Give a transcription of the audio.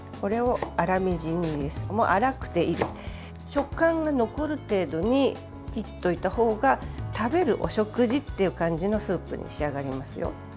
食感が残る程度に切っておいたほうが食べるお食事っていう感じのスープに仕上がりますよ。